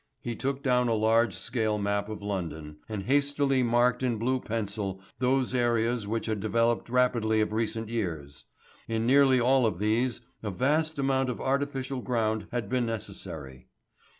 He took down a large scale map of London, and hastily marked in blue pencil those areas which had developed rapidly of recent years. In nearly all of these a vast amount of artificial ground had been necessary.